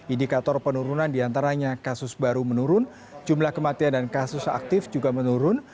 indikator penurunan diantaranya kasus baru menurun jumlah kematian dan kasus aktif juga menurun